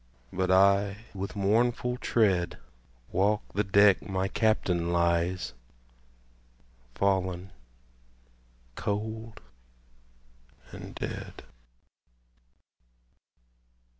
But I with mournful tread, Walk the deck my Captain lies, Fallen Cold and Dead.